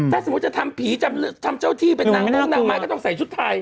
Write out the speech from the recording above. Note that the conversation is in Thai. ถ้าสมมุติจะทำผีทำเจ้าที่เป็นนางมุ่งนางไม้ก็ต้องใส่ชุดไทย